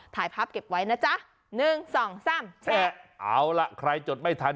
ถ่ายภาพเก็บไว้นะจ๊ะหนึ่งสองสามแชร์เอาล่ะใครจดไม่ทัน